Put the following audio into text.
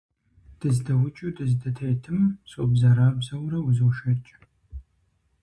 Дыздэуджу дыздытетым собзэрабзэурэ узошэкӀ.